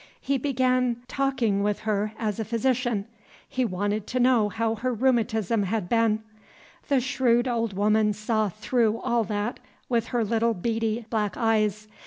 He began taking with her as a physician; he wanted to know how her rheumatism had been. The shrewd old woman saw through all that with her little beady black eyes.